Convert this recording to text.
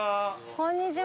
こんにちは。